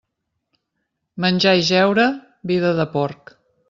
Menjar i jeure, vida de porc.